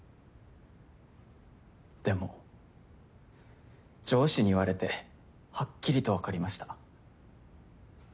でも上司に言われてはっきりとわかりました。